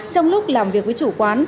trong lúc làm việc với chủ quán